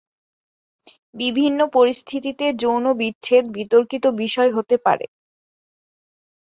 বিভিন্ন পরিস্থিতিতে যৌন বিচ্ছেদ বিতর্কিত বিষয় হতে পারে।